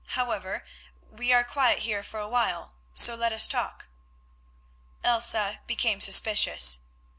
However, we are quiet here for a while, so let us talk." Elsa became suspicious.